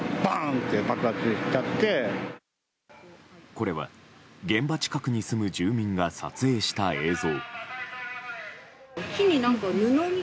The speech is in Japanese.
これは現場近くに住む住民が撮影した映像。